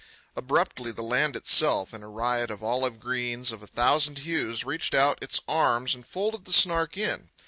Abruptly the land itself, in a riot of olive greens of a thousand hues, reached out its arms and folded the Snark in.